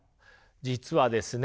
実はですね